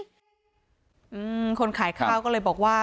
อืมคนขายข้าวก็เลยบอกว่า